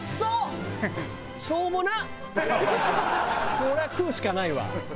そりゃ食うしかないわ。